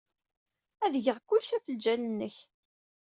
Ad geɣ kullec ɣef ljal-nnek.